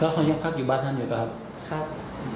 คนก็ยังพักอยู่บ้านนั้นอยู่นะครับ